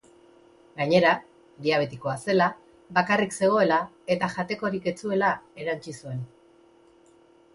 Gainera, diabetikoa zela, bakarrik zegoela eta jatekorik ez zuela erantsi zuen.